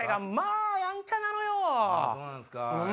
あそうなんすか。